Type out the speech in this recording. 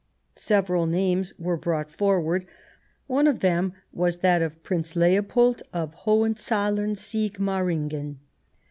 Several names were brought forward ; one of them was that of Prince Leopold of HohenzoUern Sigmaringen.